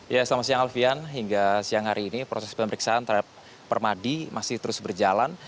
ya selamat siang alfian hingga siang hari ini proses pemeriksaan terhadap permadi masih terus berjalan